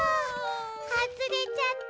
はずれちゃった。